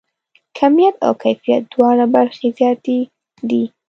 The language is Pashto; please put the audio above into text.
کیمیت او کیفیت دواړه برخې زیاتې دي.